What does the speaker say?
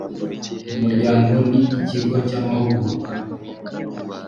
umuryango ni ikigo cy’ amahugurwa